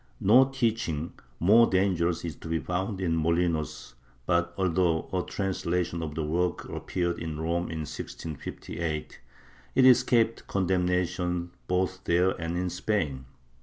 ^ No teaching more dangerous is to be found in Molinos but, although a translation of the work appeared in Rome in 1658, it escaped condemnation both there and in Spain.